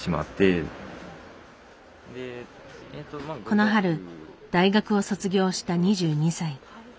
この春大学を卒業した２２歳。